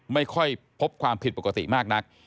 ไม่ค่อยพบความผิดปกติมากนัก